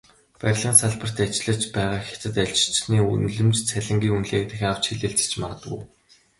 Барилгын салбарт ажиллаж байгаа хятад ажилчны үнэлэмж, цалингийн үнэлгээг дахин авч хэлэлцэж магадгүй.